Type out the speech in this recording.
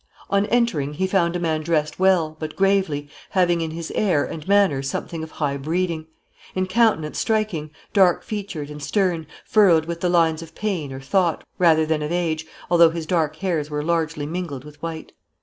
On entering he found a man dressed well, but gravely, having in his air and manner something of high breeding. In countenance striking, dark featured, and stern, furrowed with the lines of pain or thought, rather than of age, although his dark hairs were largely mingled with white.